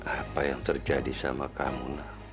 apa yang terjadi sama kamu